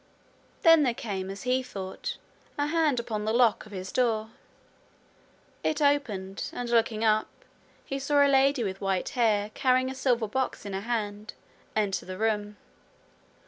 Then there came, as he thought, a hand upon the lock of his door. It opened, and, looking up, he saw a lady with white hair, carrying a silver box in her hand, enter the room.